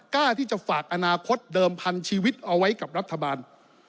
กล้าที่จะฝากอนาคตเดิมพันชีวิตเอาไว้กับรัฐบาล